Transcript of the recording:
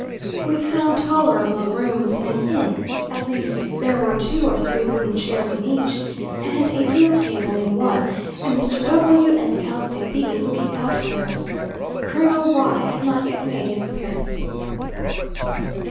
We found tolerable rooms in an inn; at least there were two or three wooden chairs in each, and a deal table in one; and Mr. W and the Count de B looking out for us. Colonel Y had not yet made his appearance.